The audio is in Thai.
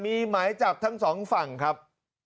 มีหมายจับทั้งสองฝั่งครับ